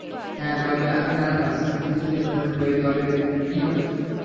হ্যাঁ, তবে আমি নার্ভাস, আমি যদি ভুল করি তবে কী হবে?